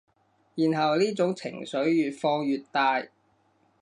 然後呢種情緒越放越大